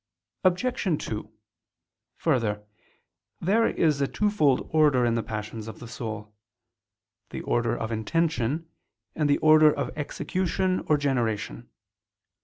Obj. 2: Further, there is a twofold order in the passions of the soul: the order of intention, and the order of execution or generation.